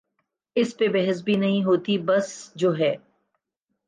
اس پہ بحث بھی نہیں ہوتی بس جو ہے۔